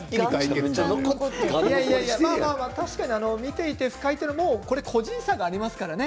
まあまあ、見ていて不快というのも個人差がありますからね。